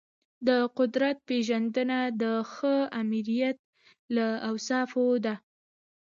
د قدرت پیژندنه د ښه آمریت له اوصافو ده.